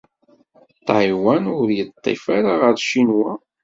Ṭaywan ur yeṭṭif ara ɣer Ccinwa.